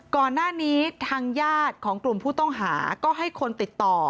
ก่อนหน้านี้ทางญาติของกลุ่มผู้ต้องหาก็ให้คนติดต่อ